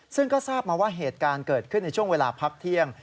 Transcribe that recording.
ซึ่งก็ทราบมาว่าเหตุการณ์เกิดขึ้นในช่วงเวลาพักเที่ยง